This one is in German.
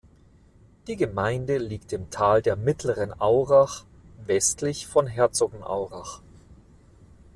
Die Gemeinde liegt im Tal der Mittleren Aurach westlich von Herzogenaurach.